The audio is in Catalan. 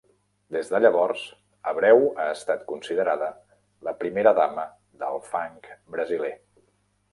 Des de llavors, Abreu ha estat considerada la primera dama del funk brasiler.